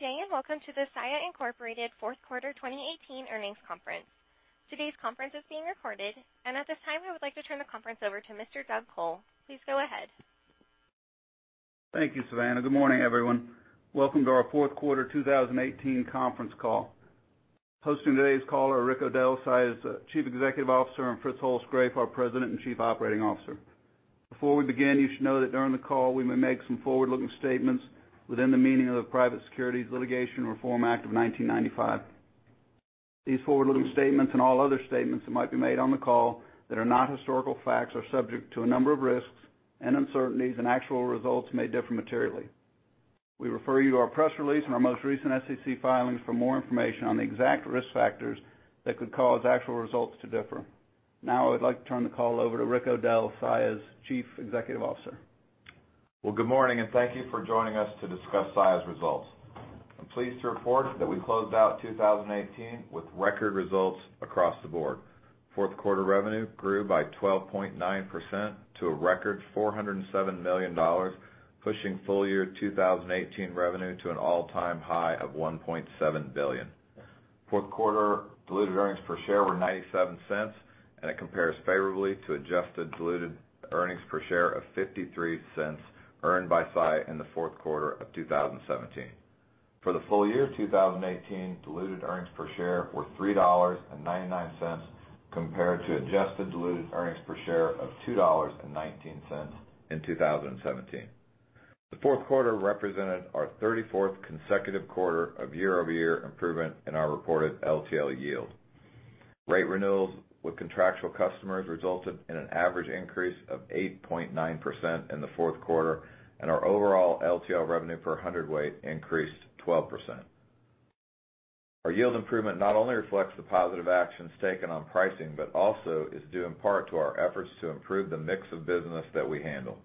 Good day, welcome to the Saia, Inc. fourth quarter 2018 earnings conference. Today's conference is being recorded, at this time, I would like to turn the conference over to Mr. Douglas Col. Please go ahead. Thank you, Savannah. Good morning, everyone. Welcome to our fourth quarter 2018 conference call. Hosting today's call are Rick O'Dell, Saia's Chief Executive Officer, and Fritz Holzgrefe, our President and Chief Operating Officer. Before we begin, you should know that during the call, we may make some forward-looking statements within the meaning of the Private Securities Litigation Reform Act of 1995. These forward-looking statements, all other statements that might be made on the call that are not historical facts, are subject to a number of risks and uncertainties, actual results may differ materially. We refer you to our press release and our most recent SEC filings for more information on the exact risk factors that could cause actual results to differ. I would like to turn the call over to Rick O'Dell, Saia's Chief Executive Officer. Well, good morning, thank you for joining us to discuss Saia's results. I'm pleased to report that we closed out 2018 with record results across the board. Fourth quarter revenue grew by 12.9% to a record $407 million, pushing full-year 2018 revenue to an all-time high of $1.7 billion. Fourth quarter diluted earnings per share were $0.97, it compares favorably to adjusted diluted earnings per share of $0.53 earned by Saia in the fourth quarter of 2017. For the full year of 2018, diluted earnings per share were $3.99, compared to adjusted diluted earnings per share of $2.19 in 2017. The fourth quarter represented our 34th consecutive quarter of year-over-year improvement in our reported LTL yield. Rate renewals with contractual customers resulted in an average increase of 8.9% in the fourth quarter, our overall LTL revenue per hundred weight increased 12%. Our yield improvement not only reflects the positive actions taken on pricing, but also is due in part to our efforts to improve the mix of business that we handle.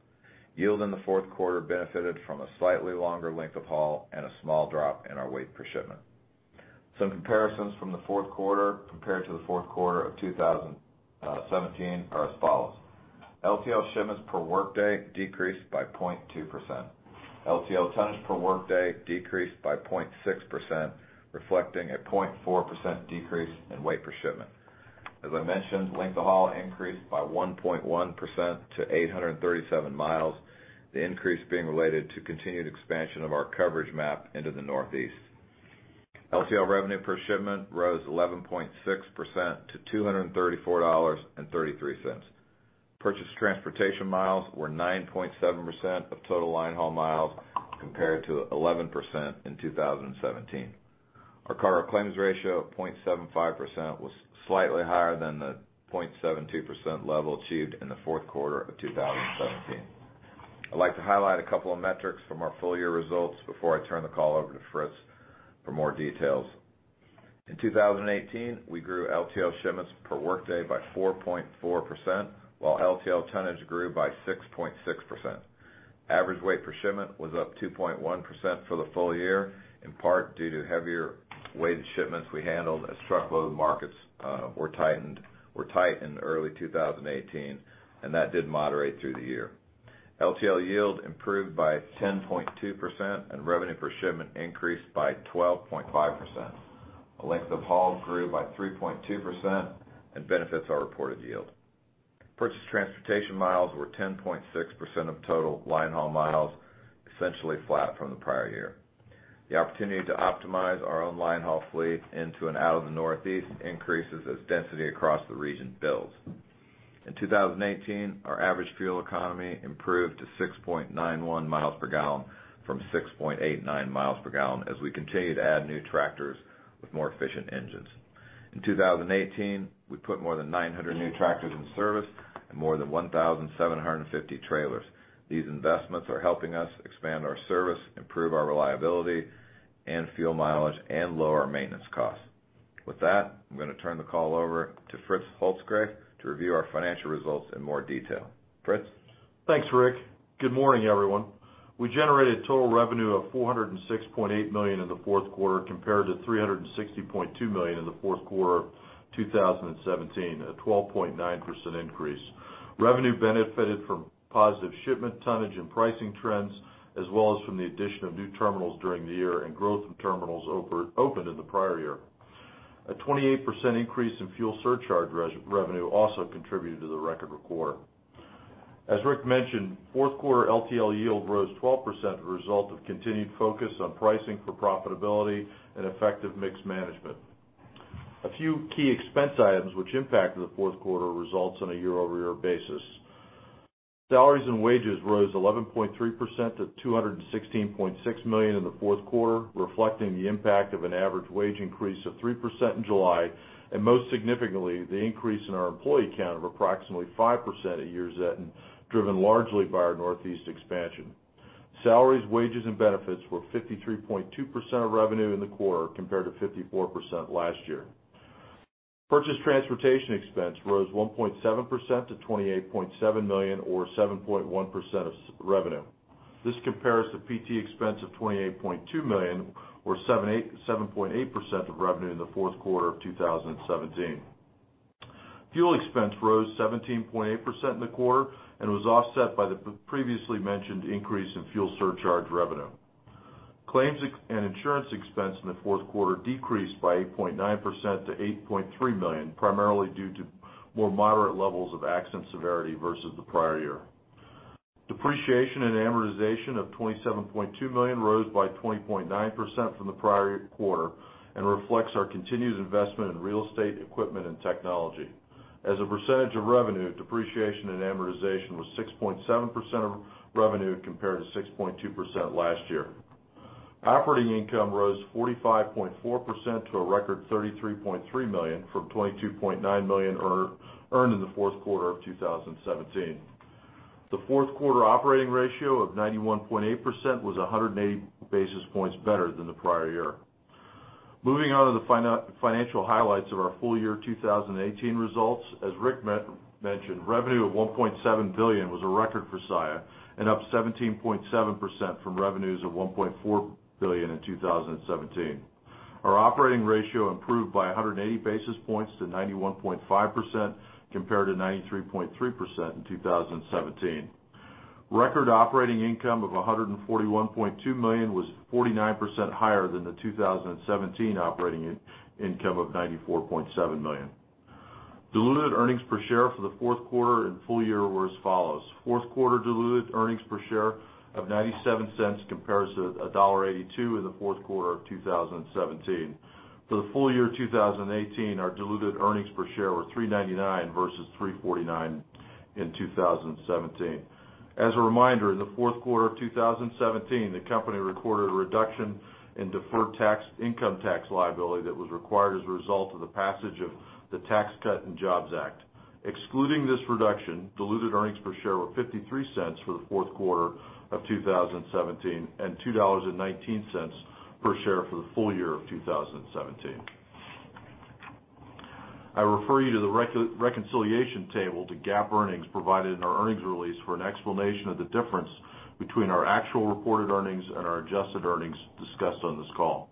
Yield in the fourth quarter benefited from a slightly longer length of haul and a small drop in our weight per shipment. Some comparisons from the fourth quarter compared to the fourth quarter of 2017 are as follows. LTL shipments per workday decreased by 0.2%. LTL tonnage per workday decreased by 0.6%, reflecting a 0.4% decrease in weight per shipment. As I mentioned, length of haul increased by 1.1% to 837 miles, the increase being related to continued expansion of our coverage map into the Northeast. LTL revenue per shipment rose 11.6% to $234.33. Purchased transportation miles were 9.7% of total line haul miles compared to 11% in 2017. Our cargo claims ratio of 0.75% was slightly higher than the 0.72% level achieved in the fourth quarter of 2017. I'd like to highlight a couple of metrics from our full-year results before I turn the call over to Fritz for more details. In 2018, we grew LTL shipments per workday by 4.4%, while LTL tonnage grew by 6.6%. Average weight per shipment was up 2.1% for the full year, in part due to heavier weighted shipments we handled as truckload markets were tight in early 2018, and that did moderate through the year. LTL yield improved by 10.2%, and revenue per shipment increased by 12.5%. The length of hauls grew by 3.2% and benefits our reported yield. Purchased transportation miles were 10.6% of total line haul miles, essentially flat from the prior year. The opportunity to optimize our own line haul fleet into and out of the Northeast increases as density across the region builds. In 2018, our average fuel economy improved to 6.91 miles per gallon from 6.89 miles per gallon as we continue to add new tractors with more efficient engines. In 2018, we put more than 900 new tractors in service and more than 1,750 trailers. These investments are helping us expand our service, improve our reliability and fuel mileage, and lower our maintenance costs. With that, I'm going to turn the call over to Fritz Holzgrafe to review our financial results in more detail. Fritz? Thanks, Rick. Good morning, everyone. We generated total revenue of $406.8 million in the fourth quarter compared to $360.2 million in the fourth quarter of 2017, a 12.9% increase. Revenue benefited from positive shipment tonnage and pricing trends, as well as from the addition of new terminals during the year and growth in terminals opened in the prior year. A 28% increase in fuel surcharge revenue also contributed to the record quarter. As Rick mentioned, fourth quarter LTL yield rose 12% as a result of continued focus on pricing for profitability and effective mix management. A few key expense items which impacted the fourth quarter results on a year-over-year basis. Salaries and wages rose 11.3% to $216.6 million in the fourth quarter, reflecting the impact of an average wage increase of 3% in July. Most significantly, the increase in our employee count of approximately 5% at year's end, driven largely by our Northeast expansion. Salaries, wages, and benefits were 53.2% of revenue in the quarter compared to 54% last year. Purchased transportation expense rose 1.7% to $28.7 million or 7.1% of revenue. This compares to PT expense of $28.2 million or 7.8% of revenue in the fourth quarter of 2017. Fuel expense rose 17.8% in the quarter and was offset by the previously mentioned increase in fuel surcharge revenue. Claims and insurance expense in the fourth quarter decreased by 8.9% to $8.3 million, primarily due to more moderate levels of accident severity versus the prior year. Depreciation and amortization of $27.2 million rose by 20.9% from the prior quarter and reflects our continued investment in real estate, equipment, and technology. As a percentage of revenue, depreciation and amortization was 6.7% of revenue compared to 6.2% last year. Operating income rose 45.4% to a record $33.3 million from $22.9 million earned in the fourth quarter of 2017. The fourth quarter operating ratio of 91.8% was 180 basis points better than the prior year. Moving on to the financial highlights of our full year 2018 results, as Rick mentioned, revenue of $1.7 billion was a record for Saia and up 17.7% from revenues of $1.4 billion in 2017. Our operating ratio improved by 180 basis points to 91.5%, compared to 93.3% in 2017. Record operating income of $141.2 million was 49% higher than the 2017 operating income of $94.7 million. Diluted earnings per share for the fourth quarter and full year were as follows. Fourth quarter diluted earnings per share of $0.97 compares to $1.82 in the fourth quarter of 2017. For the full year 2018, our diluted earnings per share were $3.99 versus $3.49 in 2017. As a reminder, in the fourth quarter of 2017, the company recorded a reduction in deferred income tax liability that was required as a result of the passage of the Tax Cuts and Jobs Act. Excluding this reduction, diluted earnings per share were $0.53 for the fourth quarter of 2017 and $2.19 per share for the full year of 2017. I refer you to the reconciliation table to GAAP earnings provided in our earnings release for an explanation of the difference between our actual reported earnings and our adjusted earnings discussed on this call.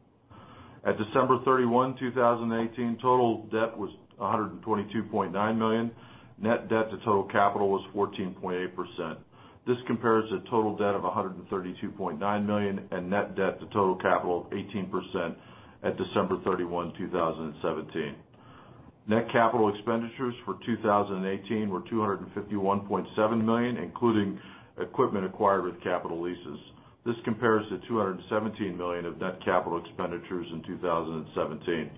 At December 31, 2018, total debt was $122.9 million. Net debt to total capital was 14.8%. This compares to total debt of $132.9 million and net debt to total capital of 18% at December 31, 2017. Net capital expenditures for 2018 were $251.7 million, including equipment acquired with capital leases. This compares to $217 million of net capital expenditures in 2017.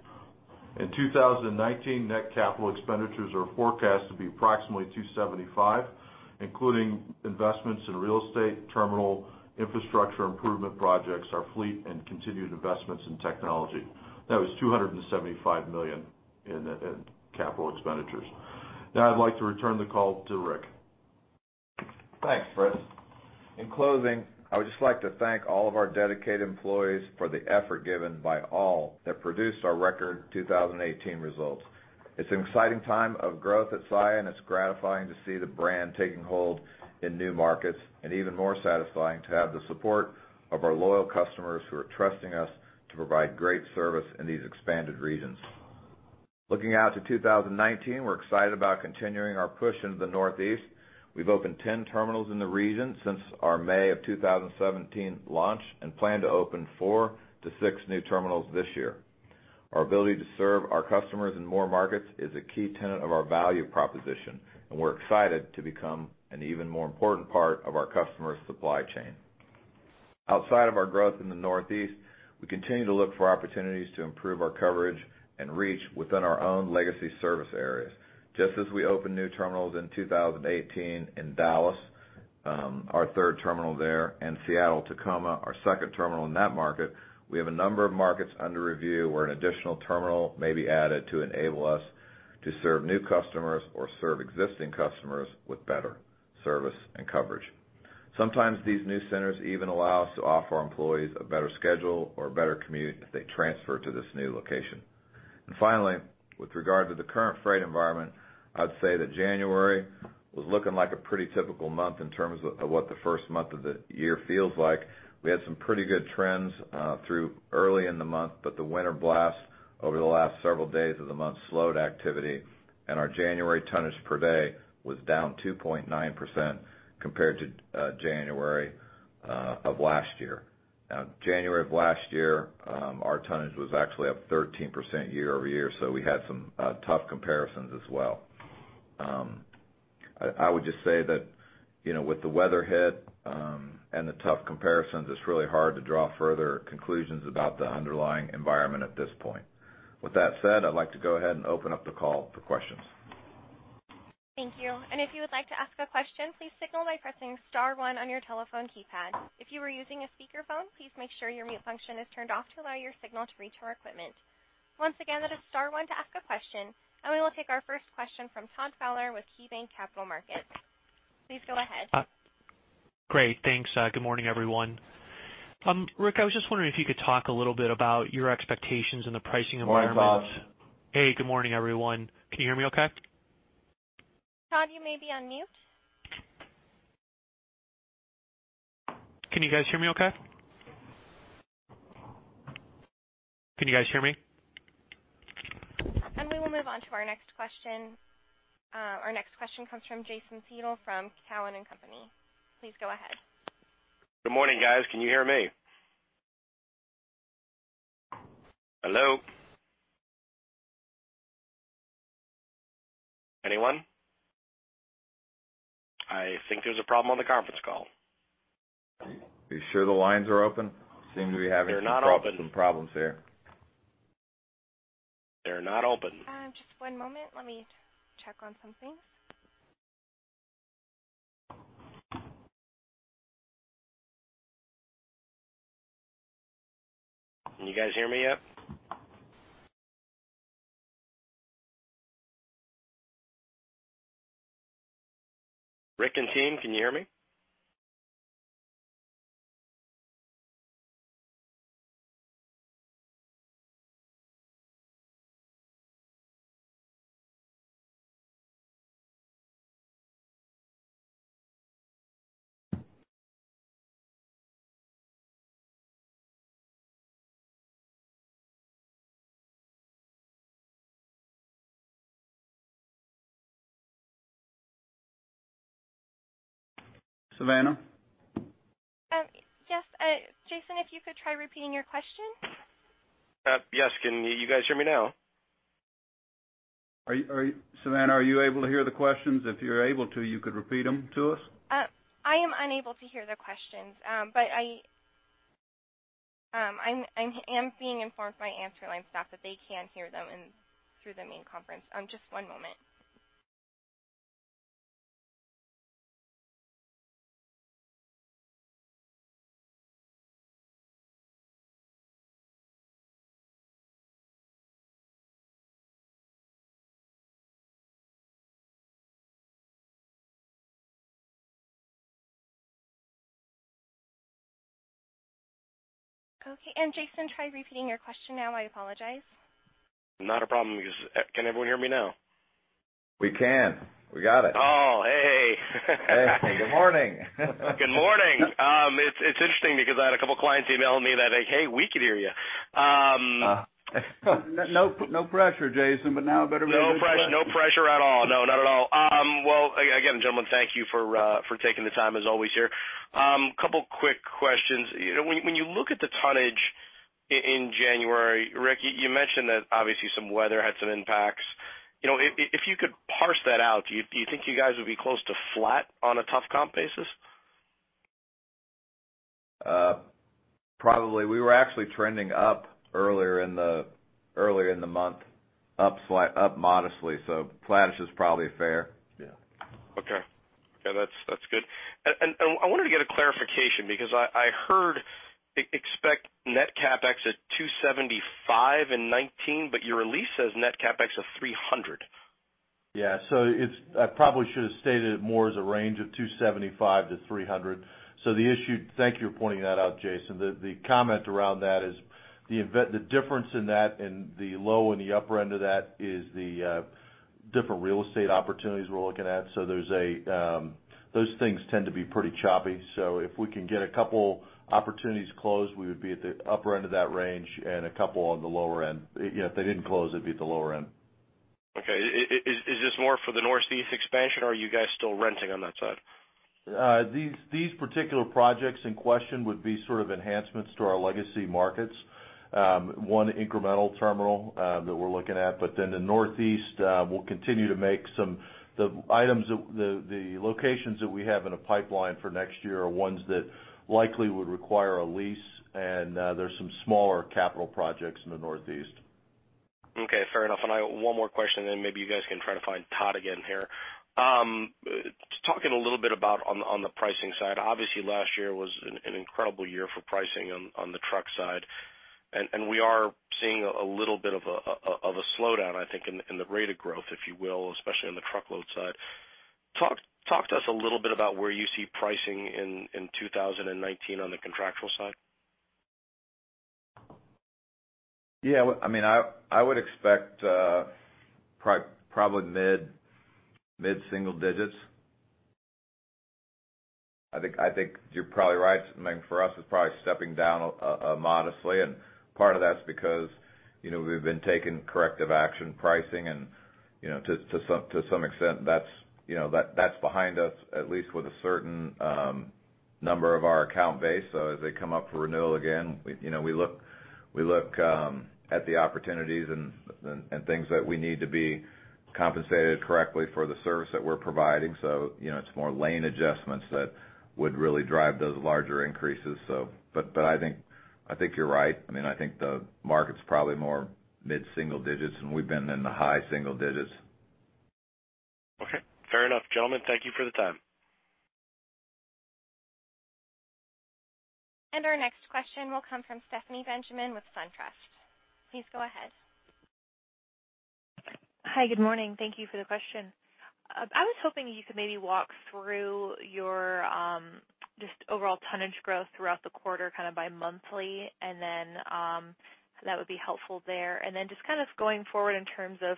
In 2019, net capital expenditures are forecast to be approximately $275, including investments in real estate, terminal infrastructure improvement projects, our fleet, and continued investments in technology. That was $275 million in capital expenditures. I'd like to return the call to Rick. Thanks, Fritz. In closing, I would just like to thank all of our dedicated employees for the effort given by all that produced our record 2018 results. It's an exciting time of growth at Saia, and it's gratifying to see the brand taking hold in new markets and even more satisfying to have the support of our loyal customers who are trusting us to provide great service in these expanded regions. Looking out to 2019, we're excited about continuing our push into the Northeast. We've opened 10 terminals in the region since our May of 2017 launch and plan to open four to six new terminals this year. Our ability to serve our customers in more markets is a key tenet of our value proposition, and we're excited to become an even more important part of our customers' supply chain. Outside of our growth in the Northeast, we continue to look for opportunities to improve our coverage and reach within our own legacy service areas. Just as we opened new terminals in 2018 in Dallas, our third terminal there, and Seattle, Tacoma, our second terminal in that market, we have a number of markets under review where an additional terminal may be added to enable us to serve new customers or serve existing customers with better service and coverage. Sometimes these new centers even allow us to offer our employees a better schedule or a better commute if they transfer to this new location. Finally, with regard to the current freight environment, I'd say that January was looking like a pretty typical month in terms of what the first month of the year feels like. We had some pretty good trends through early in the month, the winter blast over the last several days of the month slowed activity, and our January tonnage per day was down 2.9% compared to January of last year. January of last year, our tonnage was actually up 13% year-over-year, we had some tough comparisons as well. I would just say that, with the weather hit, the tough comparisons, it's really hard to draw further conclusions about the underlying environment at this point. With that said, I'd like to go ahead and open up the call for questions. Thank you. If you would like to ask a question, please signal by pressing star one on your telephone keypad. If you are using a speakerphone, please make sure your mute function is turned off to allow your signal to reach our equipment. Once again, that is star one to ask a question, we will take our first question from Todd Fowler with KeyBanc Capital Markets. Please go ahead. Great. Thanks. Good morning, everyone. Rick, I was just wondering if you could talk a little bit about your expectations in the pricing environment. Good morning, Todd. Hey, good morning, everyone. Can you hear me okay? Todd, you may be on mute. Can you guys hear me okay? Can you guys hear me? We will move on to our next question. Our next question comes from Jason Seidl from Cowen and Company. Please go ahead. Good morning, guys. Can you hear me? Hello? Anyone? I think there's a problem on the conference call. Are you sure the lines are open? They're not open some problems here. They're not open. Just one moment. Let me check on some things. Can you guys hear me yet? Rick and team, can you hear me? Savannah? Yes. Jason, if you could try repeating your question. Yes. Can you guys hear me now? Savannah, are you able to hear the questions? If you're able to, you could repeat them to us. I am unable to hear the questions. I am being informed by answer line staff that they can hear them through the main conference. Just one moment. Okay, Jason, try repeating your question now. I apologize. Not a problem. Can everyone hear me now? We can. We got it. Oh, hey. Hey, good morning. Good morning. It's interesting because I had a couple clients email me that like, "Hey, we could hear you. No pressure, Jason, now I better be able to hear the question. No pressure at all. Not at all. Again, gentlemen, thank you for taking the time as always here. Couple quick questions. When you look at the tonnage in January, Rick, you mentioned that obviously some weather had some impacts. If you could parse that out, do you think you guys would be close to flat on a tough comp basis? Probably. We were actually trending up earlier in the month, up modestly. Flatish is probably fair. Yeah. Okay. That's good. I wanted to get a clarification because I heard expect net CapEx at $275 in 2019, but your release says net CapEx of $300. Yeah. I probably should have stated it more as a range of $275-$300. Thank you for pointing that out, Jason Seidl. The comment around that is the difference in that in the low and the upper end of that is the different real estate opportunities we're looking at. Those things tend to be pretty choppy. If we can get a couple opportunities closed, we would be at the upper end of that range and a couple on the lower end. If they didn't close, it'd be at the lower end. Okay. Is this more for the Northeast expansion, or are you guys still renting on that side? These particular projects in question would be sort of enhancements to our legacy markets. One incremental terminal that we're looking at. The Northeast, we'll continue to make. The locations that we have in the pipeline for next year are ones that likely would require a lease, and there's some smaller capital projects in the Northeast. Okay, fair enough. One more question, then maybe you guys can try to find Todd again here. Talking a little bit about on the pricing side, obviously last year was an incredible year for pricing on the truck side, and we are seeing a little bit of a slowdown, I think, in the rate of growth, if you will, especially on the truckload side. Talk to us a little bit about where you see pricing in 2019 on the contractual side. I would expect probably mid-single digits. I think you're probably right. For us, it's probably stepping down modestly, part of that's because we've been taking corrective action pricing, to some extent, that's behind us, at least with a certain number of our account base. As they come up for renewal again, we look at the opportunities and things that we need to be compensated correctly for the service that we're providing. It's more lane adjustments that would really drive those larger increases. I think you're right. I think the market's probably more mid-single digits, and we've been in the high single digits. Okay, fair enough. Gentlemen, thank you for the time. Our next question will come from Stephanie Benjamin with SunTrust. Please go ahead. Hi, good morning. Thank you for the question. I was hoping you could maybe walk through your just overall tonnage growth throughout the quarter kind of by monthly, that would be helpful there. Just kind of going forward in terms of,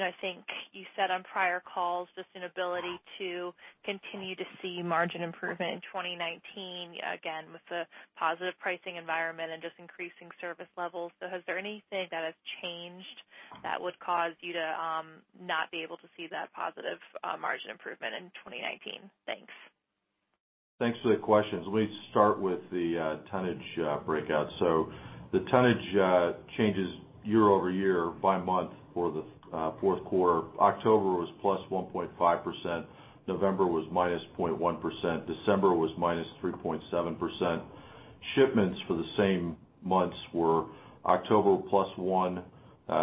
I think you said on prior calls just an ability to continue to see margin improvement in 2019, again, with the positive pricing environment and just increasing service levels. Is there anything that has changed that would cause you to not be able to see that positive margin improvement in 2019? Thanks. Thanks for the questions. Let me start with the tonnage breakout. The tonnage changes year-over-year by month for the fourth quarter. October was plus 1.5%, November was-0.1%, December was -3.7%. Shipments for the same months were October +1%,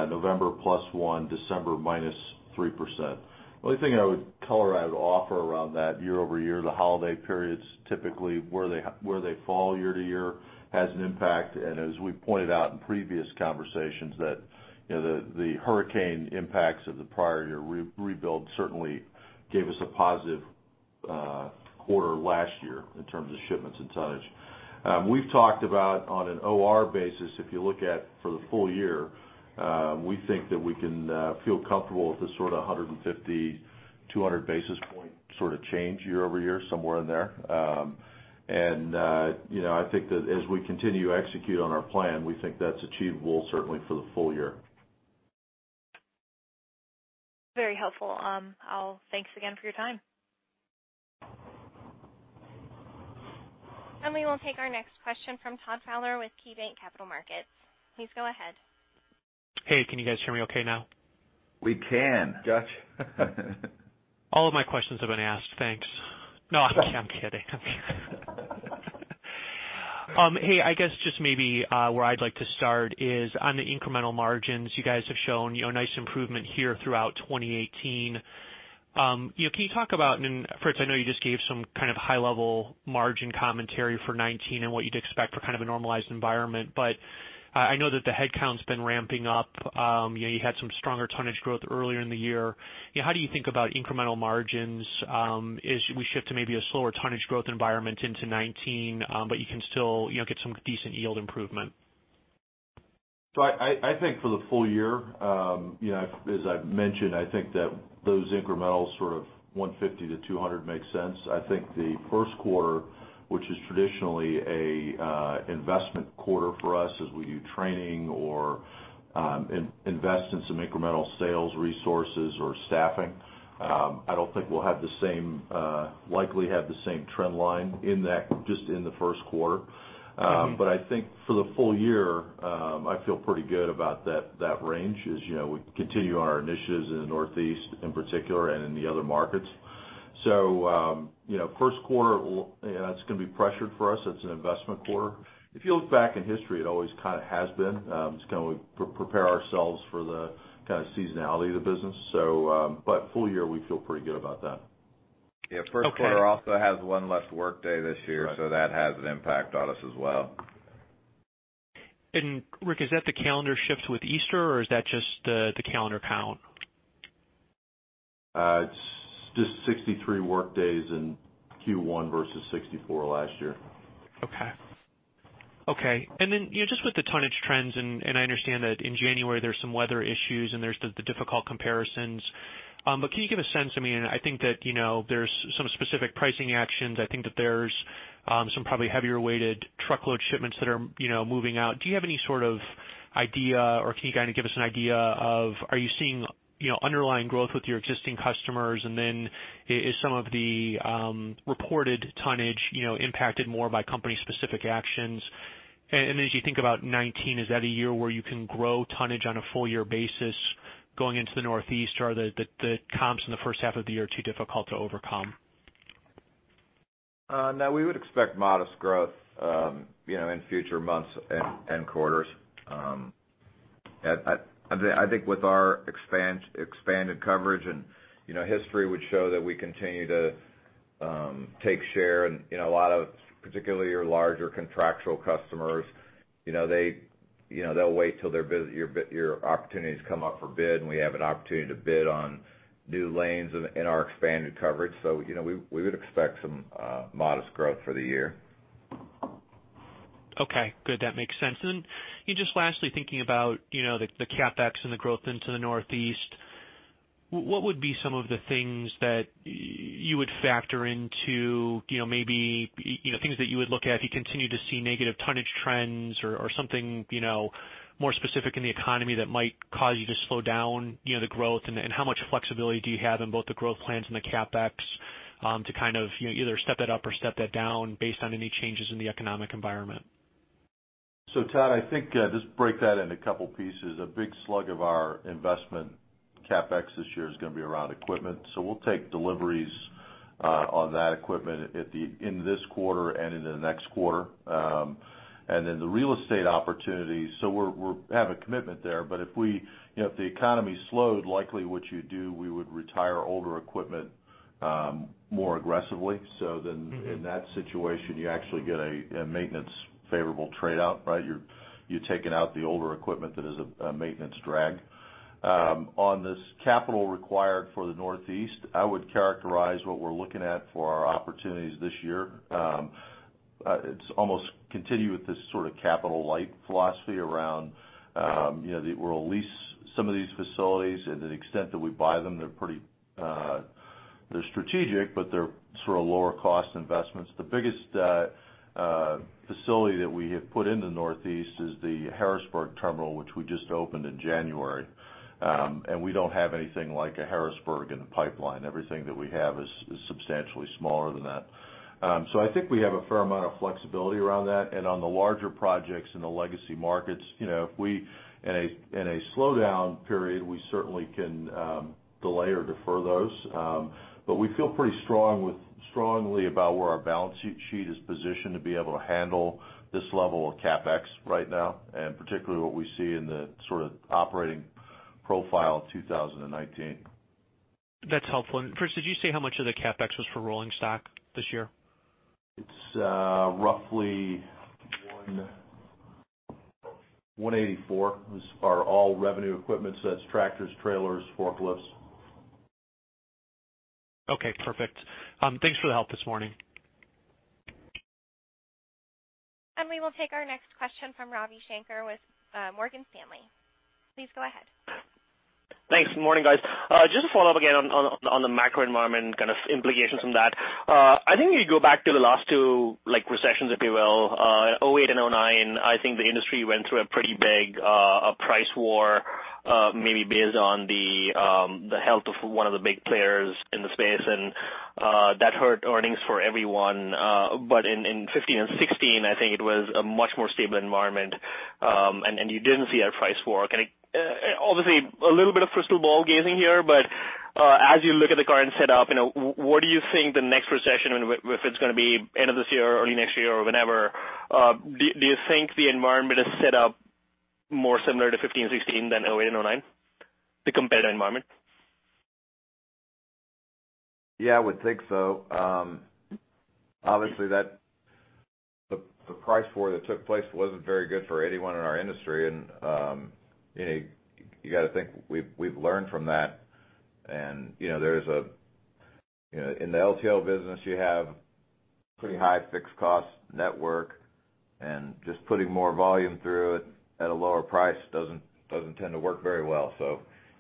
November +1%, December -3%. The only thing I would color, I would offer around that year-over-year, the holiday periods, typically where they fall year to year has an impact. As we pointed out in previous conversations that the hurricane impacts of the prior year rebuild certainly gave us a positive quarter last year in terms of shipments and tonnage. We've talked about on an OR basis, if you look at for the full year, we think that we can feel comfortable with this sort of 150, 200 basis points sort of change year-over-year, somewhere in there. I think that as we continue to execute on our plan, we think that's achievable certainly for the full year. Very helpful. Thanks again for your time. We will take our next question from Todd Fowler with KeyBanc Capital Markets. Please go ahead. Hey, can you guys hear me okay now? We can. Gotcha. All of my questions have been asked, thanks. No, I'm kidding. Hey, I guess just maybe where I'd like to start is on the incremental margins. You guys have shown nice improvement here throughout 2018. Can you talk about, and Fritz, I know you just gave some kind of high level margin commentary for 2019, and what you'd expect for kind of a normalized environment, but I know that the headcount's been ramping up. You had some stronger tonnage growth earlier in the year. How do you think about incremental margins as we shift to maybe a slower tonnage growth environment into 2019, but you can still get some decent yield improvement? I think for the full year, as I've mentioned, I think that those incremental sort of 150-200 makes sense. I think the first quarter, which is traditionally an investment quarter for us as we do training or invest in some incremental sales resources or staffing. I don't think we'll likely have the same trend line in that just in the first quarter. I think for the full year, I feel pretty good about that range as we continue our initiatives in the Northeast in particular and in the other markets. First quarter, it's going to be pressured for us. It's an investment quarter. If you look back in history, it always has been. It's prepare ourselves for the seasonality of the business. Full year, we feel pretty good about that. Yeah. First quarter also has one less workday this year, that has an impact on us as well. Rick, is that the calendar shifts with Easter, or is that just the calendar count? It's just 63 workdays in Q1 versus 64 last year. Okay. Just with the tonnage trends, I understand that in January there's some weather issues and there's the difficult comparisons. Can you give a sense, I think that there's some specific pricing actions. I think that there's some probably heavier weighted truckload shipments that are moving out. Do you have any sort of idea or can you give us an idea of are you seeing underlying growth with your existing customers? Is some of the reported tonnage impacted more by company specific actions? As you think about 2019, is that a year where you can grow tonnage on a full year basis going into the Northeast, or are the comps in the first half of the year too difficult to overcome? No, we would expect modest growth in future months and quarters. I think with our expanded coverage and history would show that we continue to take share and a lot of particularly your larger contractual customers they'll wait till your opportunities come up for bid, and we have an opportunity to bid on new lanes in our expanded coverage. We would expect some modest growth for the year. Okay, good. That makes sense. Just lastly, thinking about the CapEx and the growth into the Northeast. What would be some of the things that you would factor into maybe things that you would look at if you continue to see negative tonnage trends or something more specific in the economy that might cause you to slow down the growth, and how much flexibility do you have in both the growth plans and the CapEx to either step that up or step that down based on any changes in the economic environment? Todd, I think just break that into a couple pieces. A big slug of our investment CapEx this year is going to be around equipment. We'll take deliveries on that equipment in this quarter and into the next quarter. The real estate opportunities, we have a commitment there. If the economy slowed, likely what you do, we would retire older equipment more aggressively. In that situation, you actually get a maintenance favorable trade out, right? You're taking out the older equipment that is a maintenance drag. On this capital required for the Northeast, I would characterize what we're looking at for our opportunities this year. It's almost continue with this sort of capital light philosophy around, we'll lease some of these facilities, and to the extent that we buy them, they're strategic, but they're sort of lower cost investments. The biggest facility that we have put in the Northeast is the Harrisburg terminal, which we just opened in January. We don't have anything like a Harrisburg in the pipeline. Everything that we have is substantially smaller than that. I think we have a fair amount of flexibility around that. On the larger projects in the legacy markets, if we, in a slowdown period, we certainly can delay or defer those. We feel pretty strongly about where our balance sheet is positioned to be able to handle this level of CapEx right now, particularly what we see in the sort of operating profile of 2019. That's helpful. Fritz, did you say how much of the CapEx was for rolling stock this year? It's roughly $184, are all revenue equipment, so that's tractors, trailers, forklifts. Okay, perfect. Thanks for the help this morning. We will take our next question from Ravi Shanker with Morgan Stanley. Please go ahead. Thanks. Morning, guys. Just to follow up again on the macro environment kind of implications from that. I think if you go back to the last two recessions, if you will, 2008 and 2009, I think the industry went through a pretty big price war, maybe based on the health of one of the big players in the space, and that hurt earnings for everyone. In 2015 and 2016, I think it was a much more stable environment, and you didn't see that price war. Obviously, a little bit of crystal ball gazing here, but as you look at the current set up, what do you think the next recession, if it's going to be end of this year or early next year or whenever, do you think the environment is set up more similar to 2015 2016 than 2008 and 2009? The competitive environment. Yeah, I would think so. Obviously, the price war that took place wasn't very good for anyone in our industry, and you got to think we've learned from that. In the LTL business, you have pretty high fixed cost network, and just putting more volume through it at a lower price doesn't tend to work very well.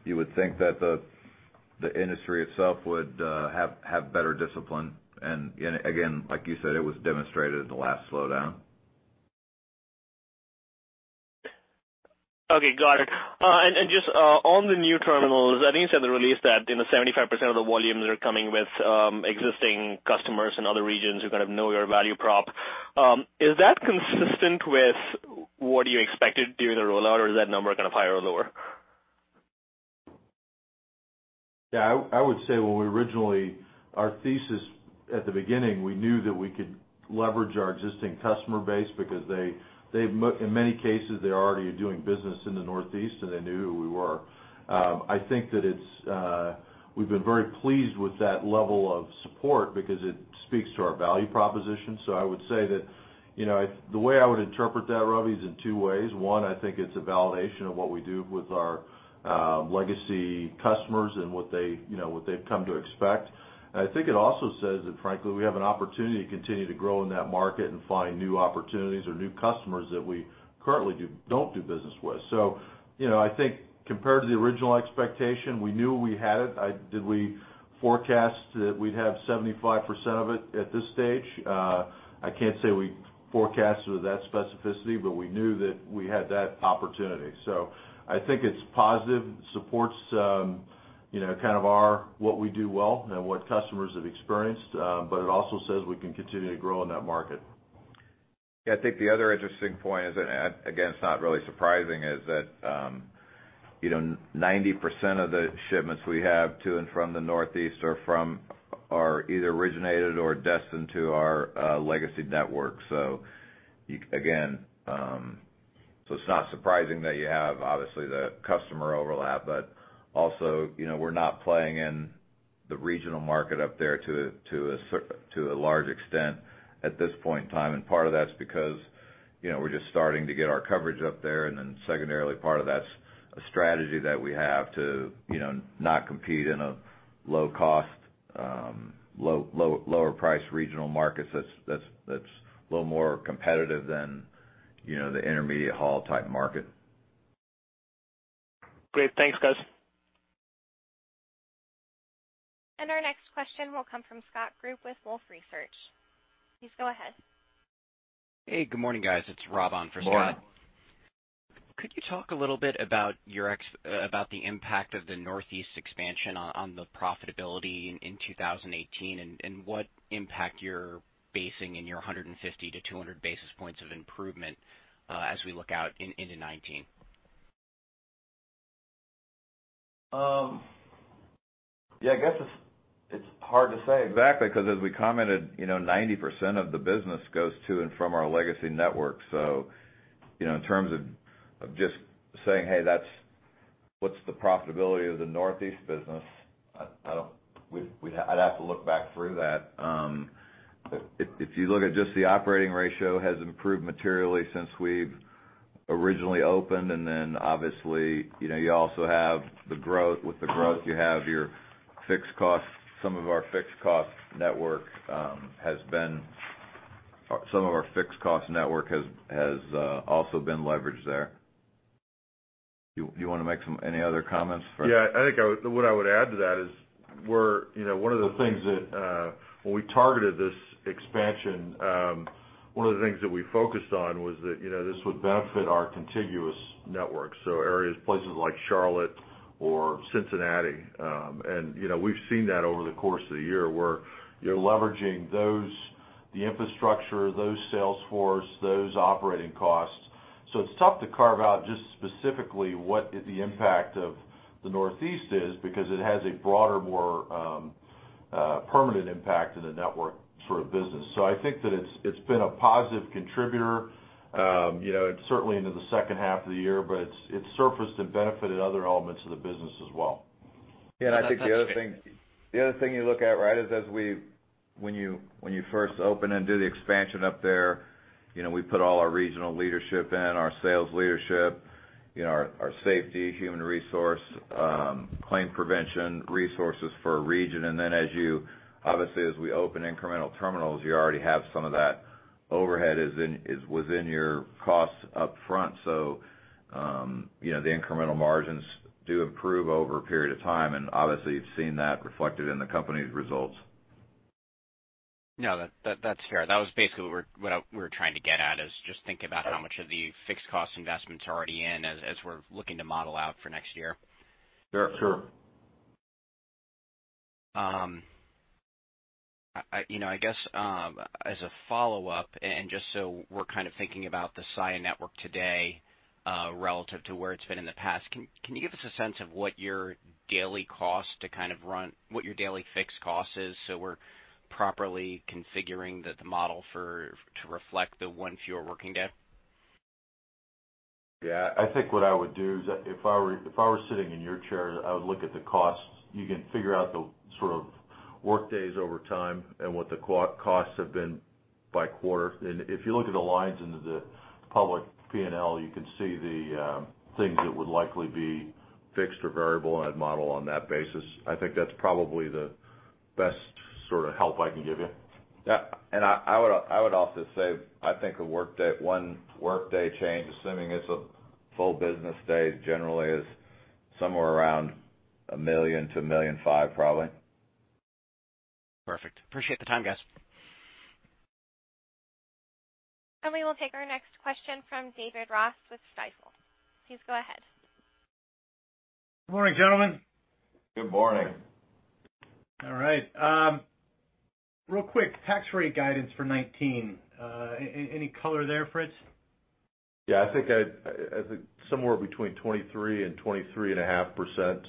You would think that the industry itself would have better discipline. Again, like you said, it was demonstrated in the last slowdown. Okay. Got it. Just on the new terminals, I think you said in the release that 75% of the volumes are coming with existing customers in other regions who kind of know your value prop. Is that consistent with what you expected during the rollout, or is that number kind of higher or lower? Yeah. I would say when we originally our thesis at the beginning, we knew that we could leverage our existing customer base because they, in many cases, they are already doing business in the Northeast, and they knew who we were. I think that we've been very pleased with that level of support because it speaks to our value proposition. I would say that, the way I would interpret that, Ravi, is in two ways. One, I think it's a validation of what we do with our legacy customers and what they've come to expect. I think it also says that frankly, we have an opportunity to continue to grow in that market and find new opportunities or new customers that we currently don't do business with. I think compared to the original expectation, we knew we had it. Did we forecast that we'd have 75% of it at this stage? I can't say we forecasted it with that specificity, but we knew that we had that opportunity. I think it's positive, supports kind of our what we do well and what customers have experienced. It also says we can continue to grow in that market. Yeah. I think the other interesting point is, again, it's not really surprising, is that 90% of the shipments we have to and from the Northeast are either originated or destined to our legacy network. It's not surprising that you have, obviously, the customer overlap, but also, we're not playing in the regional market up there to a large extent at this point in time. Part of that's because we're just starting to get our coverage up there, and then secondarily, part of that's a strategy that we have to not compete in a low-cost, lower price regional markets that's a little more competitive than the intermediate-haul type market. Great. Thanks, guys. Our next question will come from Scott Group with Wolfe Research. Please go ahead. Hey, good morning, guys. It's Rob on for Scott. Morning. Could you talk a little bit about the impact of the Northeast expansion on the profitability in 2018, and what impact you're basing in your 150-200 basis points of improvement as we look out into 2019? Yeah, I guess it's hard to say exactly because as we commented, 90% of the business goes to and from our legacy network. In terms of just saying, hey, what's the profitability of the Northeast business? I'd have to look back through that. If you look at just the operating ratio has improved materially since we've Originally opened, then obviously, you also have the growth. With the growth, you have your fixed costs. Some of our fixed cost network has also been leveraged there. You want to make any other comments, Fritz? I think what I would add to that is, when we targeted this expansion, one of the things that we focused on was that this would benefit our contiguous network. Areas, places like Charlotte or Cincinnati. We've seen that over the course of the year, where you're leveraging the infrastructure, those sales force, those operating costs. It's tough to carve out just specifically what the impact of the Northeast is, because it has a broader, more permanent impact in the network for a business. I think that it's been a positive contributor, certainly into the second half of the year, but it's surfaced and benefited other elements of the business as well. I think the other thing you look at, right, is when you first open and do the expansion up there, we put all our regional leadership in, our sales leadership, our safety, human resource, claim prevention resources for a region. Then, obviously, as we open incremental terminals, you already have some of that overhead within your costs up front. The incremental margins do improve over a period of time, and obviously, you've seen that reflected in the company's results. That's fair. That was basically what we were trying to get at, is just thinking about how much of the fixed cost investment's already in as we're looking to model out for next year. Sure. I guess, as a follow-up, just so we're kind of thinking about the Saia network today, relative to where it's been in the past, can you give us a sense of what your daily fixed cost is, so we're properly configuring the model to reflect the one you're working to? Yeah, I think what I would do is, if I were sitting in your chair, I would look at the costs. You can figure out the sort of workdays over time and what the costs have been by quarter. If you look at the lines into the public P&L, you can see the things that would likely be fixed or variable, and I'd model on that basis. I think that's probably the best sort of help I can give you. Yeah, I would also say, I think a one workday change, assuming it's a full business day, generally is somewhere around $1 million-$1.5 million, probably. Perfect. Appreciate the time, guys. We will take our next question from David Ross with Stifel. Please go ahead. Good morning, gentlemen. Good morning. Good morning. All right. Real quick, tax rate guidance for 2019. Any color there, Fritz? Yeah, I think somewhere between 23% and 23.5%.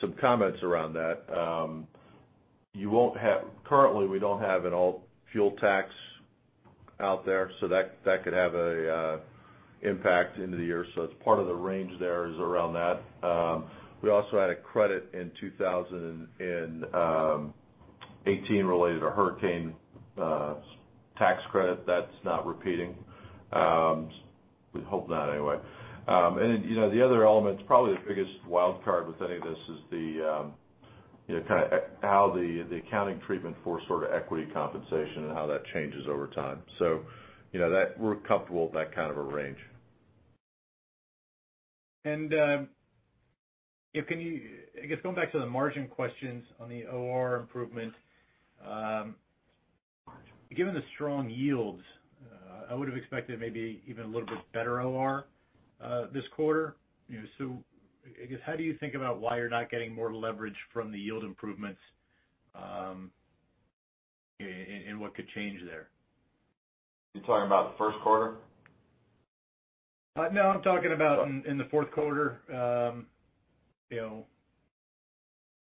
Some comments around that. Currently, we don't have an alt fuel tax out there, so that could have a impact into the year. It's part of the range there, is around that. We also had a credit in 2018 related to hurricane tax credit. That's not repeating. We hope not, anyway. The other element, probably the biggest wild card with any of this, is how the accounting treatment for sort of equity compensation, and how that changes over time. We're comfortable with that kind of a range. I guess, going back to the margin questions on the OR improvement. Given the strong yields, I would have expected maybe even a little bit better OR this quarter. I guess, how do you think about why you're not getting more leverage from the yield improvements, and what could change there? You talking about the first quarter? I'm talking about in the fourth quarter.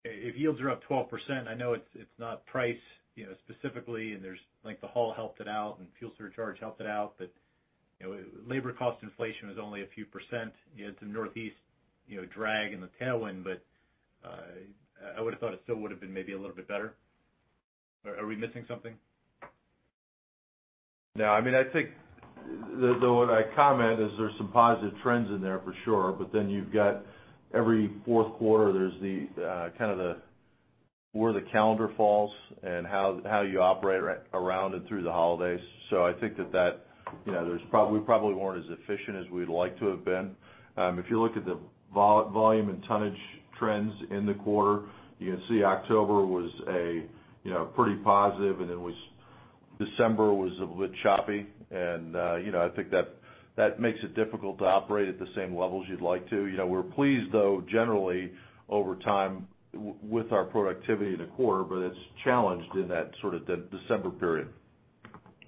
If yields are up 12%, I know it's not price specifically, and there's length of haul helped it out, and fuel surcharge helped it out. Labor cost inflation was only a few percentage. You had the Northeast drag and the tailwind, but I would have thought it still would have been maybe a little bit better. Are we missing something? I think what I comment is there's some positive trends in there for sure, you've got every fourth quarter, there's kind of where the calendar falls and how you operate around and through the holidays. I think that we probably weren't as efficient as we'd like to have been. If you look at the volume and tonnage trends in the quarter, you can see October was pretty positive, December was a bit choppy. I think that makes it difficult to operate at the same levels you'd like to. We're pleased though, generally over time, with our productivity in the quarter, but it's challenged in that sort of December period.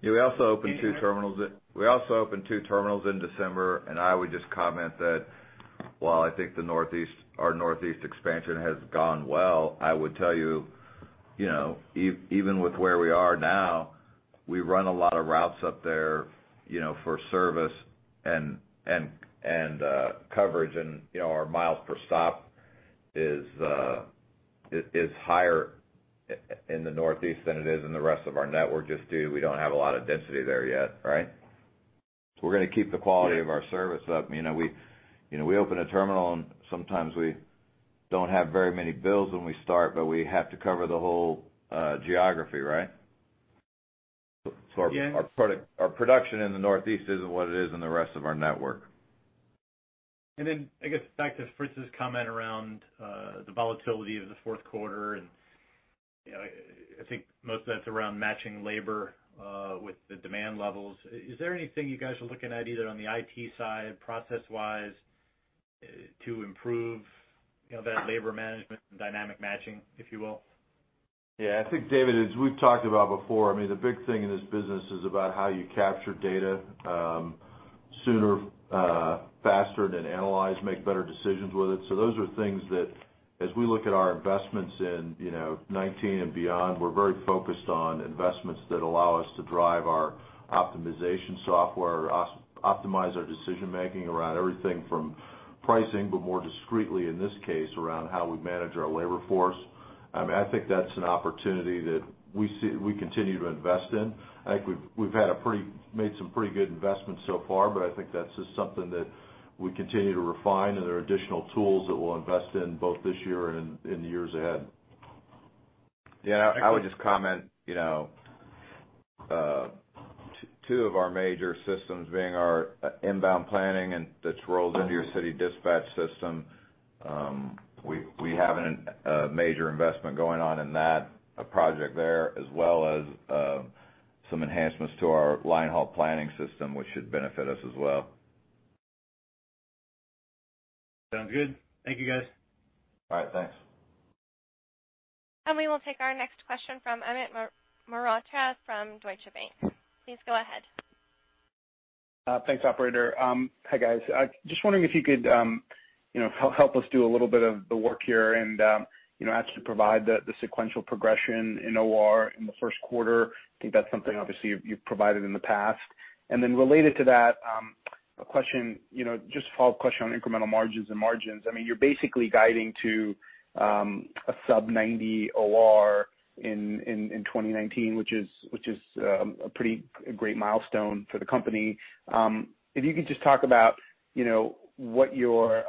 Yeah, we also opened two terminals in December, and I would just comment that while I think our Northeast expansion has gone well, I would tell you, even with where we are now, we run a lot of routes up there for service and coverage and our miles per stop is higher in the Northeast than it is in the rest of our network, just due, we don't have a lot of density there yet, right? We're going to keep the quality of our service up. We open a terminal and sometimes we don't have very many builds when we start, but we have to cover the whole geography, right? Yeah. Our production in the Northeast isn't what it is in the rest of our network. I guess back to Fritz's comment around the volatility of the fourth quarter, I think most of that's around matching labor with the demand levels. Is there anything you guys are looking at, either on the IT side, process-wise, to improve that labor management and dynamic matching, if you will? Yeah, I think David, as we've talked about before, I mean, the big thing in this business is about how you capture data sooner, faster, then analyze, make better decisions with it. Those are things that as we look at our investments in 2019 and beyond, we're very focused on investments that allow us to drive our optimization software, or optimize our decision-making around everything from pricing, but more discreetly in this case, around how we manage our labor force. I think that's an opportunity that we continue to invest in. I think we've made some pretty good investments so far, but I think that's just something that we continue to refine, and there are additional tools that we'll invest in both this year and in the years ahead. Yeah. I would just comment. Two of our major systems being our inbound planning and that rolls into your city dispatch system. We have a major investment going on in that project there, as well as some enhancements to our line haul planning system, which should benefit us as well. Sounds good. Thank you, guys. All right, thanks. We will take our next question from Amit Malhotra from Deutsche Bank. Please go ahead. Thanks, operator. Hi guys. Just wondering if you could help us do a little bit of the work here and actually provide the sequential progression in OR in the first quarter. I think that's something obviously you've provided in the past. Related to that, a follow-up question on incremental margins and margins. I mean, you're basically guiding to a sub 90 OR in 2019, which is a pretty great milestone for the company. If you could just talk about what your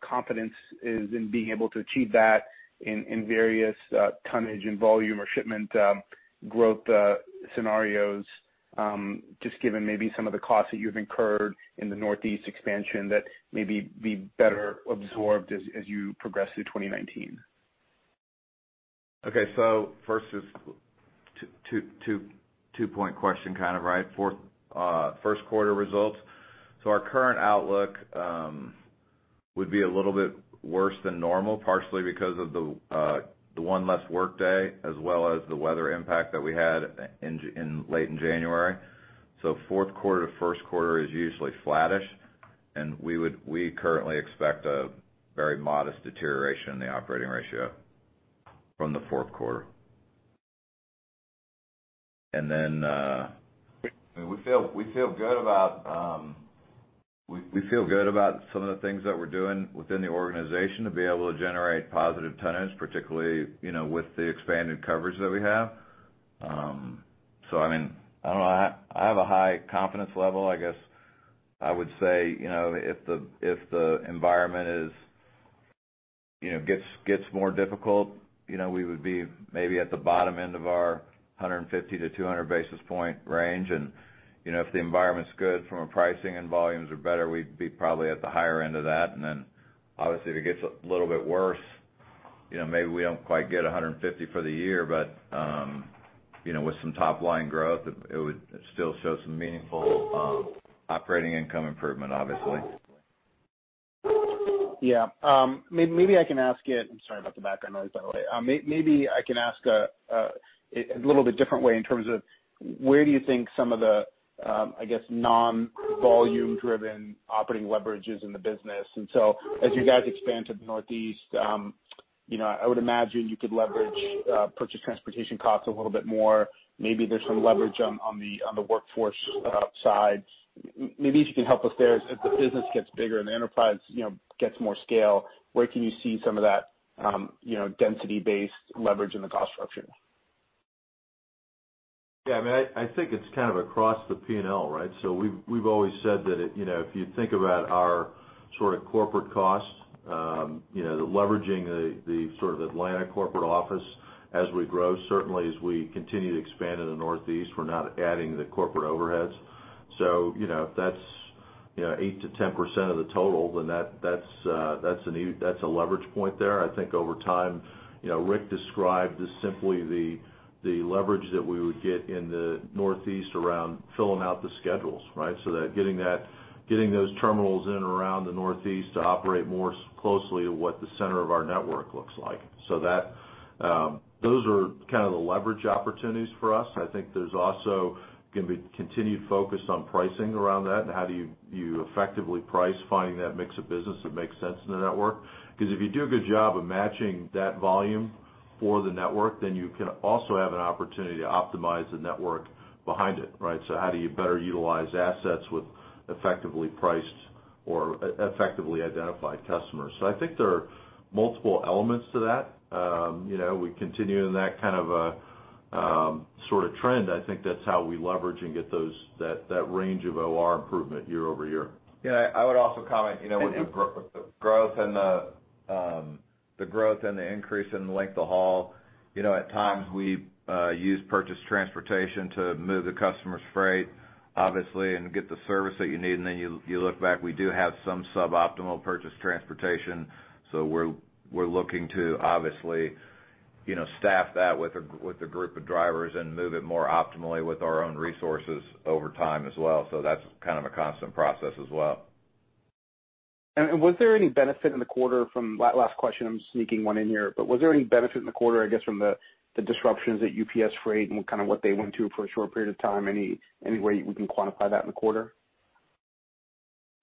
confidence is in being able to achieve that in various tonnage and volume or shipment growth scenarios, just given maybe some of the costs that you've incurred in the Northeast expansion that maybe be better absorbed as you progress through 2019. Okay. First is two-point question, right? First quarter results. Our current outlook would be a little bit worse than normal, partially because of the one less workday, as well as the weather impact that we had late in January. Fourth quarter to first quarter is usually flattish, and we currently expect a very modest deterioration in the operating ratio from the fourth quarter. We feel good about some of the things that we're doing within the organization to be able to generate positive tonnage, particularly with the expanded coverage that we have. I mean, I don't know, I have a high confidence level, I guess I would say if the environment gets more difficult, we would be maybe at the bottom end of our 150-200 basis point range. If the environment's good from a pricing and volumes are better, we'd be probably at the higher end of that. Obviously, if it gets a little bit worse, maybe we don't quite get 150 basis points for the year. With some top-line growth, it would still show some meaningful operating income improvement, obviously. Yeah. Maybe I can ask it I'm sorry about the background noise, by the way. Maybe I can ask a little bit different way in terms of where do you think some of the, I guess non-volume driven operating leverage is in the business. As you guys expand to the Northeast, I would imagine you could leverage purchase transportation costs a little bit more. Maybe there's some leverage on the workforce side. Maybe if you can help us there. As the business gets bigger and the enterprise gets more scale, where can you see some of that density-based leverage in the cost structure? Yeah. I think it's kind of across the P&L, right? We've always said that if you think about our sort of corporate costs, the leveraging the sort of Atlanta corporate office as we grow. Certainly as we continue to expand in the Northeast, we're not adding the corporate overheads. If that's 8%-10% of the total, then that's a leverage point there. I think over time, Rick described just simply the leverage that we would get in the Northeast around filling out the schedules, right? Getting those terminals in around the Northeast to operate more closely to what the center of our network looks like. Those are kind of the leverage opportunities for us. I think there's also going to be continued focus on pricing around that and how do you effectively price finding that mix of business that makes sense in the network. If you do a good job of matching that volume for the network, you can also have an opportunity to optimize the network behind it. How do you better utilize assets with effectively priced or effectively identified customers? I think there are multiple elements to that. We continue in that sort of trend. I think that's how we leverage and get that range of OR improvement year-over-year. Yeah, I would also comment with the growth and the increase in length of haul. At times, we use purchase transportation to move the customer's freight, obviously, and get the service that you need. You look back, we do have some suboptimal purchase transportation. We're looking to obviously staff that with a group of drivers and move it more optimally with our own resources over time as well. That's a constant process as well. Was there any benefit in the quarter from Last question, I'm sneaking one in here, was there any benefit in the quarter, I guess, from the disruptions at UPS Freight and kind of what they went through for a short period of time? Any way we can quantify that in the quarter?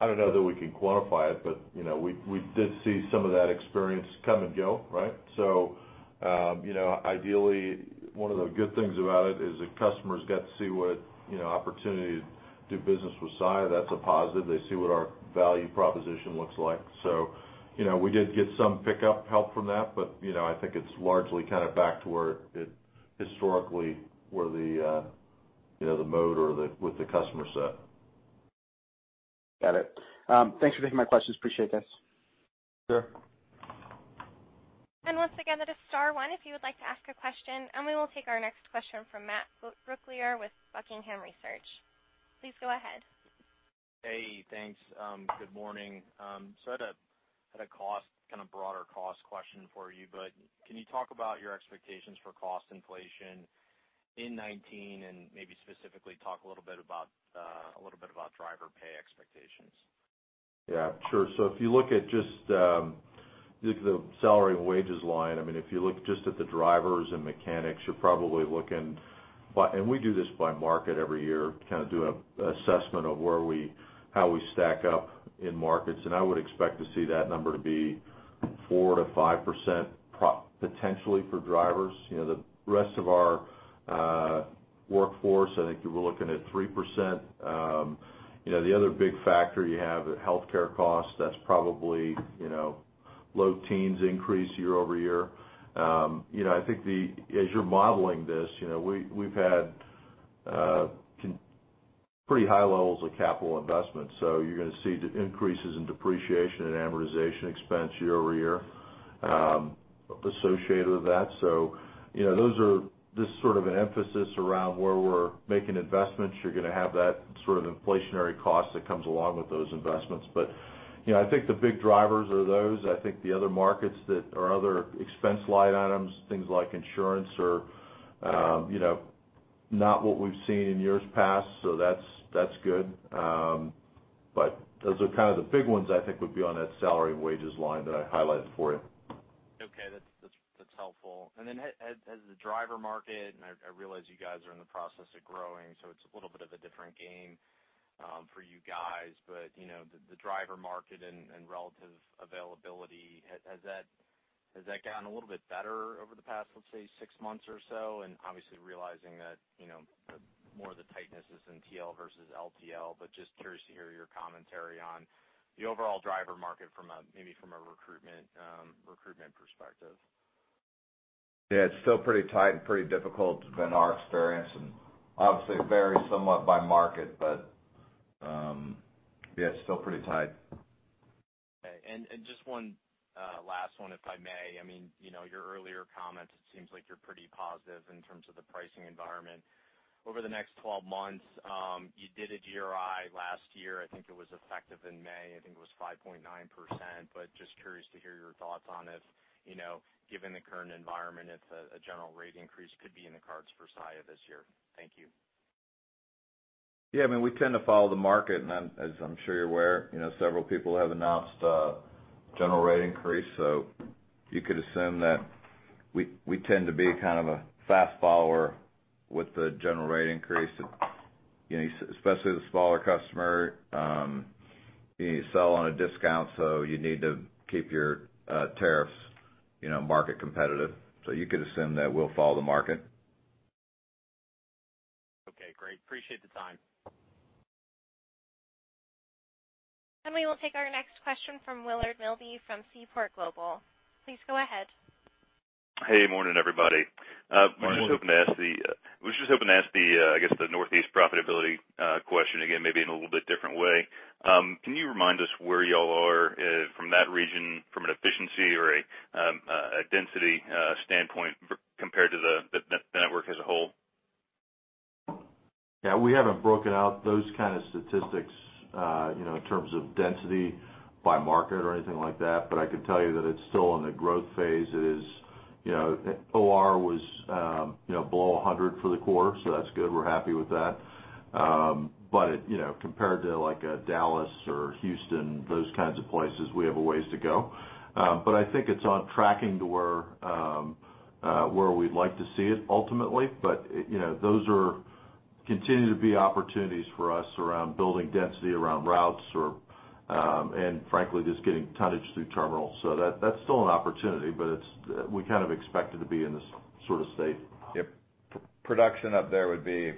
I don't know that we can quantify it, we did see some of that experience come and go. Ideally, one of the good things about it is the customers got to see what opportunity to do business with Saia. That's a positive. They see what our value proposition looks like. We did get some pickup help from that. I think it's largely back to where it historically, where the mode or with the customer set. Got it. Thanks for taking my questions. Appreciate this. Sure. Once again, that is star one if you would like to ask a question, and we will take our next question from Matthew Brooklier with Buckingham Research. Please go ahead. Hey, thanks. Good morning. I had a broader cost question for you. Can you talk about your expectations for cost inflation in 2019 and maybe specifically talk a little bit about driver pay expectations? Yeah, sure. If you look at just the salary and wages line, if you look just at the drivers and mechanics, you're probably looking, and we do this by market every year, kind of do an assessment of how we stack up in markets. I would expect to see that number to be 4%-5% potentially for drivers. The rest of our workforce, I think you were looking at 3%. The other big factor you have, healthcare costs, that's probably low teens increase year-over-year. I think as you're modeling this, we've had pretty high levels of capital investment. You're going to see increases in depreciation and amortization expense year-over-year associated with that. This sort of an emphasis around where we're making investments, you're going to have that sort of inflationary cost that comes along with those investments. I think the big drivers are those. I think the other markets that are other expense line items, things like insurance are not what we've seen in years past, so that's good. Those are kind of the big ones I think would be on that salary and wages line that I highlighted for you. That's helpful. As the driver market, I realize you guys are in the process of growing, so it's a little bit of a different game for you guys, but the driver market and relative availability, has that gotten a little bit better over the past, let's say, six months or so? Obviously realizing that more of the tightness is in TL versus LTL, just curious to hear your commentary on the overall driver market maybe from a recruitment perspective. Yeah, it's still pretty tight and pretty difficult has been our experience, obviously varies somewhat by market. Yeah, it's still pretty tight. Okay. Just one last one, if I may. Your earlier comments, it seems like you're pretty positive in terms of the pricing environment. Over the next 12 months, you did a GRI last year. I think it was effective in May. I think it was 5.9%, just curious to hear your thoughts on if, given the current environment, if a general rate increase could be in the cards for Saia this year. Thank you. Yeah, we tend to follow the market, as I'm sure you're aware, several people have announced a general rate increase. You could assume that we tend to be kind of a fast follower with the general rate increase, especially the smaller customer. You sell on a discount, you need to keep your tariffs market competitive. You could assume that we'll follow the market. Okay, great. Appreciate the time. We will take our next question from Willard Milby from Seaport Global. Please go ahead. Hey, morning everybody. Morning. I was just hoping to ask the, I guess, the Northeast profitability question again, maybe in a little bit different way. Can you remind us where you all are from that region from an efficiency or a density standpoint compared to the network as a whole? Yeah, we haven't broken out those kind of statistics in terms of density by market or anything like that. I can tell you that it's still in the growth phase. OR was below 100 for the quarter. That's good. We're happy with that. Compared to like a Dallas or Houston, those kinds of places, we have a ways to go. I think it's on tracking to where we'd like to see it ultimately. Those areContinue to be opportunities for us around building density around routes, and frankly, just getting tonnage through terminals. That's still an opportunity, but we kind of expect it to be in this sort of state. Yep. Production up there would be,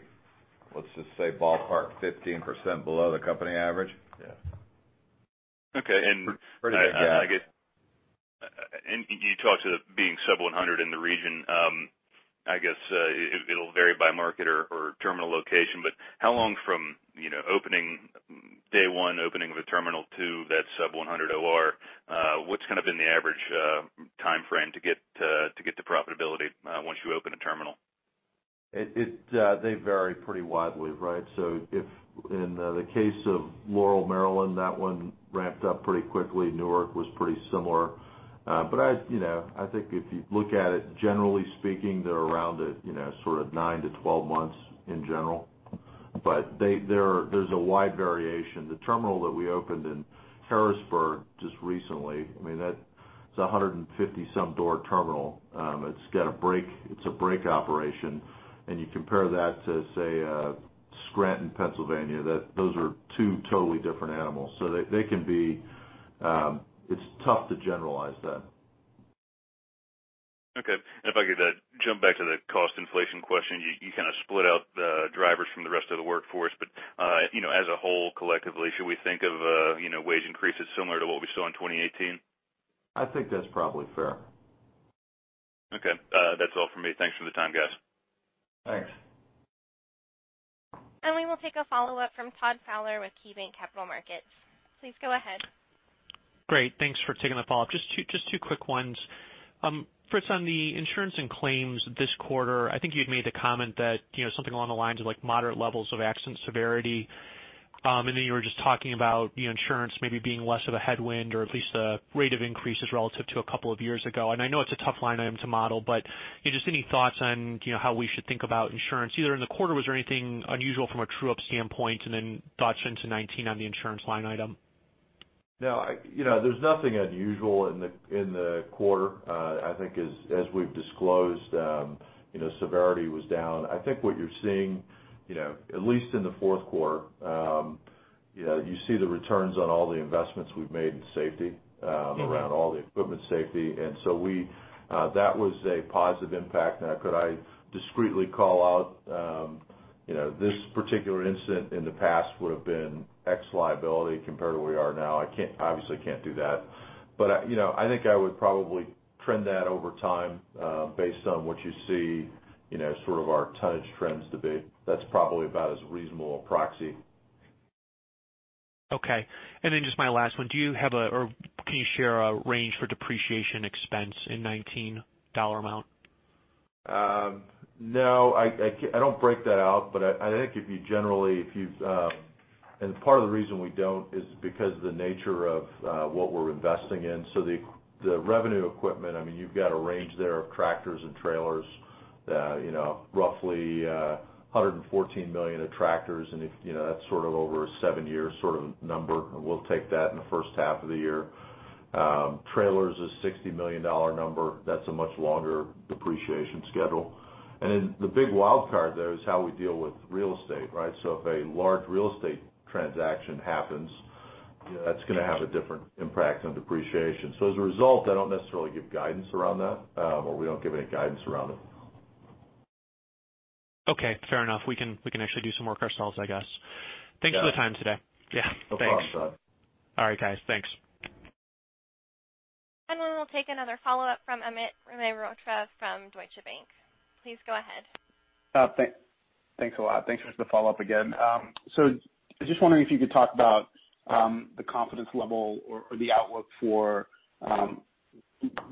let's just say ballpark 15% below the company average? Yes. Okay. I guess, you talked to being sub 100 in the region, I guess it'll vary by market or terminal location, but how long from day one opening of the terminal to that sub 100 OR. What's going to be the average timeframe to get to profitability once you open a terminal? They vary pretty widely, right? If in the case of Laurel, Maryland, that one ramped up pretty quickly. Newark was pretty similar. I think if you look at it, generally speaking, they're around at sort of 9-12 months in general. There's a wide variation. The terminal that we opened in Harrisburg just recently, I mean, that's 150-some door terminal. It's a break operation. You compare that to, say, Scranton, Pennsylvania, those are two totally different animals. It's tough to generalize that. Okay. If I could jump back to the cost inflation question, you kind of split out the drivers from the rest of the workforce, but as a whole, collectively, should we think of wage increases similar to what we saw in 2018? I think that's probably fair. Okay. That's all for me. Thanks for the time, guys. Thanks. We will take a follow-up from Todd Fowler with KeyBanc Capital Markets. Please go ahead. Great. Thanks for taking the follow-up. Just two quick ones. First, on the insurance and claims this quarter, I think you had made the comment that something along the lines of moderate levels of accident severity. You were just talking about insurance maybe being less of a headwind or at least the rate of increases relative to a couple of years ago. I know it's a tough line item to model, but just any thoughts on how we should think about insurance? Either in the quarter, was there anything unusual from a true-up standpoint, then thoughts into 2019 on the insurance line item? No. There's nothing unusual in the quarter. I think as we've disclosed, severity was down. I think what you're seeing, at least in the fourth quarter, you see the returns on all the investments we've made in safety around all the equipment safety. That was a positive impact. Now, could I discreetly call out this particular incident in the past would have been X liability compared to where we are now? I obviously can't do that. I think I would probably trend that over time based on what you see sort of our tonnage trends to be. That's probably about as reasonable a proxy. Okay. Just my last one, can you share a range for depreciation expense in 2019 dollar amount? No, I don't break that out, but I think if you generally-- part of the reason we don't is because of the nature of what we're investing in. The revenue equipment, I mean, you've got a range there of tractors and trailers that roughly $114 million of tractors, that's sort of over a seven year sort of number, and we'll take that in the first half of the year. Trailers is a $60 million number. That's a much longer depreciation schedule. The big wildcard there is how we deal with real estate, right? If a large real estate transaction happens, that's going to have a different impact on depreciation. As a result, I don't necessarily give guidance around that, or we don't give any guidance around it. Okay. Fair enough. We can actually do some work ourselves, I guess. Yeah. Thanks for the time today. Yeah, thanks. No problem, Todd. All right, guys. Thanks. We will take another follow-up from Amit Malhotra from Deutsche Bank. Please go ahead. Thanks a lot. Thanks for the follow-up again. I was just wondering if you could talk about the confidence level or the outlook for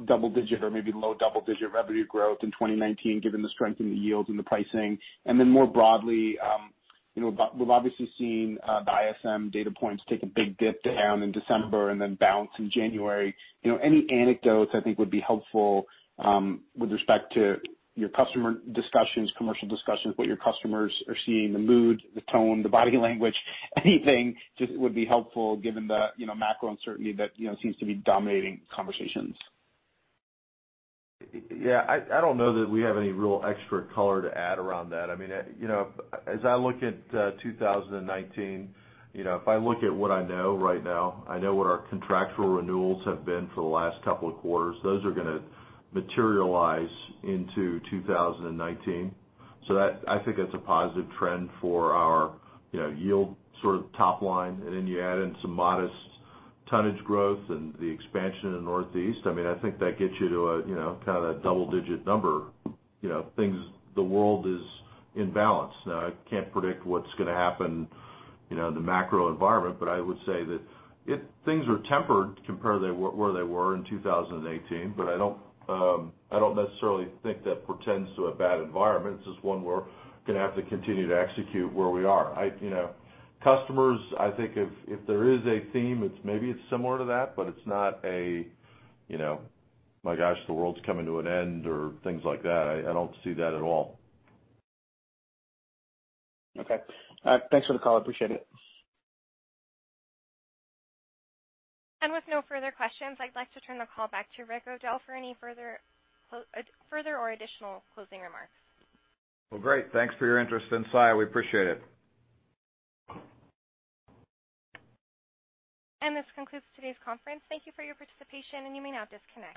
double-digit or maybe low double-digit revenue growth in 2019, given the strength in the yields and the pricing. More broadly, we've obviously seen the ISM data points take a big dip down in December and then bounce in January. Any anecdotes I think would be helpful with respect to your customer discussions, commercial discussions, what your customers are seeing, the mood, the tone, the body language anything just would be helpful given the macro uncertainty that seems to be dominating conversations. Yeah. I don't know that we have any real extra color to add around that. I mean, as I look at 2019, if I look at what I know right now, I know what our contractual renewals have been for the last couple of quarters. Those are going to materialize into 2019. I think that's a positive trend for our yield sort of top-line. You add in some modest tonnage growth and the expansion in the Northeast. I mean, I think that gets you to a kind of double-digit number. The world is in balance. I can't predict what's going to happen in the macro environment, but I would say that things are tempered compared to where they were in 2018. I don't necessarily think that portends to a bad environment. It's just one we're going to have to continue to execute where we are. Customers, I think if there is a theme, maybe it's similar to that, but it's not a, my gosh, the world's coming to an end or things like that. I don't see that at all. Okay. All right. Thanks for the call. I appreciate it. With no further questions, I'd like to turn the call back to Rick O'Dell for any further or additional closing remarks. Well, great. Thanks for your interest in Saia. We appreciate it. This concludes today's conference. Thank you for your participation, and you may now disconnect.